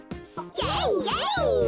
イエイイエイ！